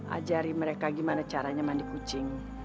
ajari mereka gimana caranya mandi kucing